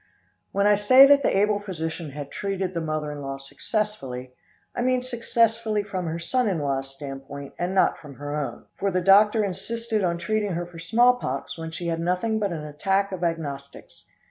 When I say that the able physician had treated the mother in law successfully, I mean successfully from her son in law's standpoint, and not from her own, for the doctor insisted on treating her for small pox when she had nothing but an attack of agnostics.